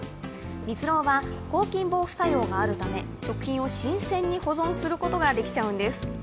蜜ろうは抗菌防腐作用があるため、食品を新鮮に保存することができちゃうんです。